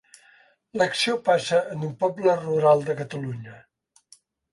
L'acció passa en un poble rural de Catalunya.